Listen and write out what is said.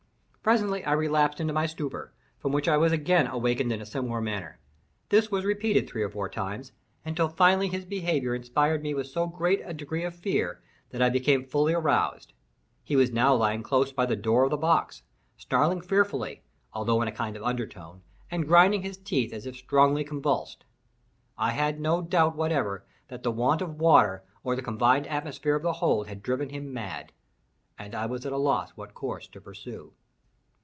Presently I relapsed into my stupor, from which I was again awakened in a similar manner. This was repeated three or four times, until finally his behaviour inspired me with so great a degree of fear, that I became fully aroused. He was now lying close by the door of the box, snarling fearfully, although in a kind of undertone, and grinding his teeth as if strongly convulsed. I had no doubt whatever that the want of water or the confined atmosphere of the hold had driven him mad, and I was at a loss what course to pursue.